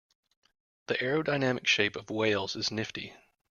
The aerodynamic shape of whales is nifty.